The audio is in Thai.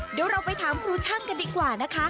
เดี๋ยวเราไปถามครูช่างกันดีกว่านะคะ